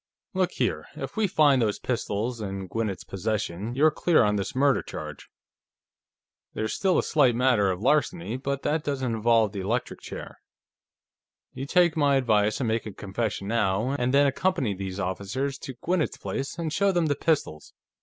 "Look here; if we find those pistols in Gwinnett's possession, you're clear on this murder charge. There's still a slight matter of larceny, but that doesn't involve the electric chair. You take my advice and make a confession now, and then accompany these officers to Gwinnett's place and show them the pistols.